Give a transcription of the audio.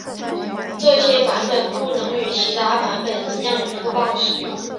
这些版本不能与其他版本一样粗暴使用。